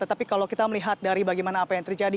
tetapi kalau kita melihat dari bagaimana apa yang terjadi